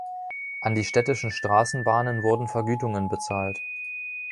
An die Städtischen Straßenbahnen wurden Vergütungen bezahlt.